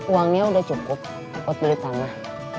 uangnya udah cukup buat beli tanah